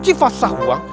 ini tidak baik